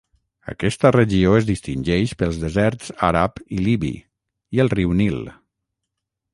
Aquesta regió es distingeix pels deserts àrab i libi, i el riu Nil.